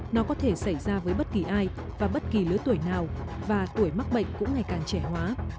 nó có thể xảy ra với bất kỳ ai và bất kỳ lứa tuổi nào và tuổi mắc bệnh cũng ngày càng trẻ hóa